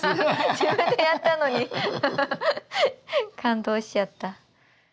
自分でやったのに感動しちゃった。